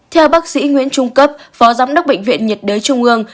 theo bác sĩ nguyễn trung cấp phó giám đốc bệnh viện nhiệt đới trung ương